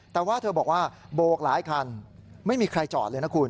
แต่ว่าเธอบอกว่าโบกหลายคันไม่มีใครจอดเลยนะคุณ